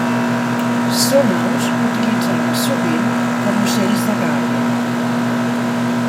Són aus utilitzades sovint com ocells de gàbia.